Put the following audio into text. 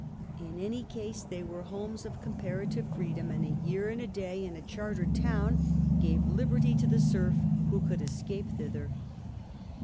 In any case they were homes of comparative freedom, and a year and a day in a chartered town gave liberty to the serf who could escape thither.